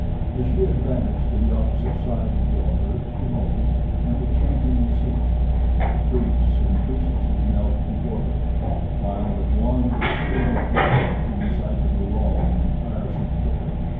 As she advanced to the opposite side of the altar she halted, and the chanting ceased. The priests and priestesses knelt before her, while with wand extended above them she recited a long and tiresome prayer.